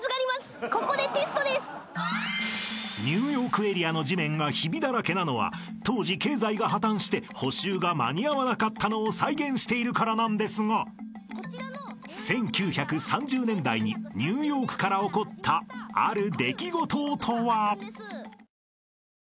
［ニューヨーク・エリアの地面がヒビだらけなのは当時経済が破綻して補修が間に合わなかったのを再現しているからなんですが１９３０年代にニューヨークから起こったある出来事とは？］